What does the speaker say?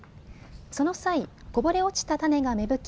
その際、こぼれ落ちた種が芽吹き